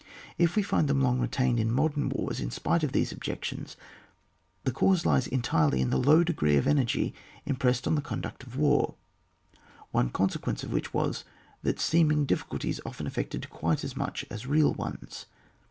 If we find them long retained in modem wars in spite of these objections, the cause lies entirely in the low degree of energy impressed on the conduct of war, one consequence of which was, that seeming difficulties often effected quite as much as real ones.